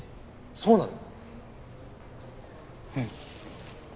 そうなの？